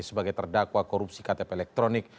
sebagai terdakwa korupsi ktp elektronik